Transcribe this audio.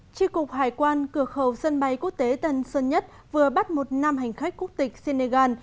tri cục hải quan cửa khẩu sân bay quốc tế tân sơn nhất vừa bắt một nam hành khách quốc tịch senegal